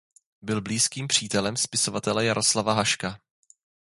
Byl blízkým přítelem spisovatele Jaroslava Haška.